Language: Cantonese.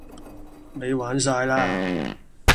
你玩曬啦